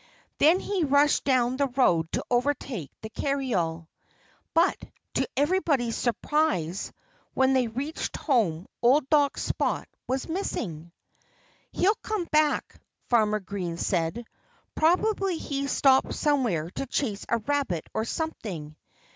Then he rushed down the road to overtake the carryall. But, to everybody's surprise, when they reached home old dog Spot was missing. "He'll come back," Farmer Green said. "Probably he's stopped somewhere to chase a rabbit or something.